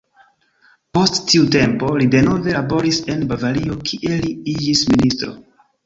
Post tiu tempo, li denove laboris en Bavario, kie li iĝis ministro.